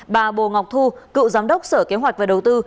bà bồ ngọc thu cựu giám đốc sở kế hoạch và đầu tư